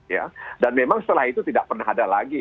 ya dan memang setelah itu tidak pernah ada lagi